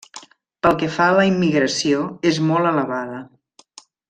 Pel que fa a la immigració és molt elevada.